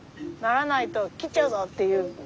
「ならないと切っちゃうぞ！」っていう。